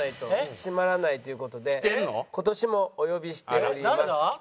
締まらないという事で今年もお呼びしております。